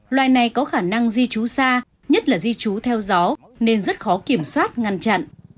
loài này có khả năng di trú xa nhất là di trú theo gió nên rất khó kiểm soát ngăn chặn